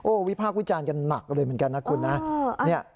วิพากษ์วิจารณ์กันหนักเลยเหมือนกันนะคุณนะ